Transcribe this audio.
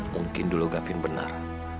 mungkin dulu gavin benar